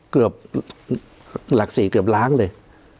เกือบหลัก๔เกือบล้านเลย